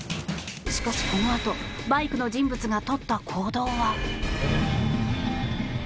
しかし、このあとバイクの人物がとった行動は。